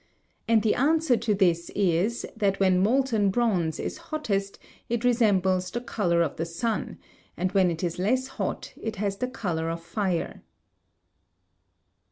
And the answer to this is that when molten bronze is hottest it resembles the colour of the sun, and when it is less hot it has the colour of fire.